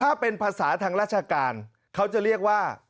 ถ้าเป็นภาษาทางราชการเขาจะเรียกว่า